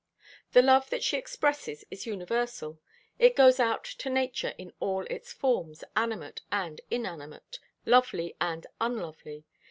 The love that she expresses is universal. It goes out to nature in all its forms, animate and inanimate, lovely and unlovely.